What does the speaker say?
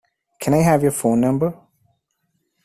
Can I have your phone number?